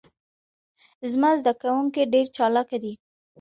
زما ذده کوونکي ډیر چالاکه دي.